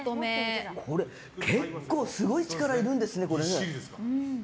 結構すごい力いるんですね。